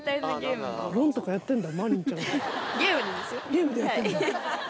ゲームでやってるんだ。